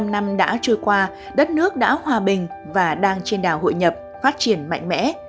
bảy mươi năm năm đã trôi qua đất nước đã hòa bình và đang trên đà hội nhập phát triển mạnh mẽ